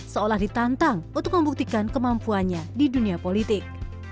seolah ditantang untuk membuktikan kemampuannya di dunia politik